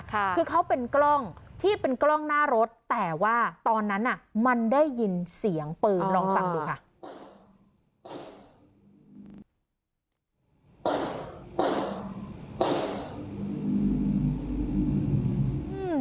คือเขาเป็นกล้องที่เป็นกล้องหน้ารถแต่ว่าตอนนั้นน่ะมันได้ยินเสียงปืนลองฟังดูค่ะ